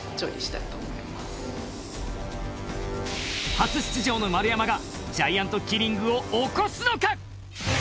初出場の丸山がジャイアントキリングを起こすのか？